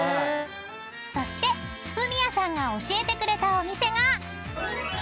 ［そしてフミヤさんが教えてくれたお店が］